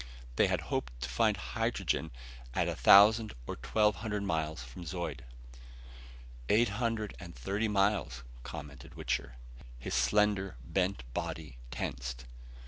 They had hoped to find hydrogen at a thousand or twelve hundred miles from Zeud. "Eight hundred and thirty miles," commented Wichter, his slender, bent body tensed.